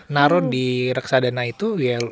naruh di reksadana itu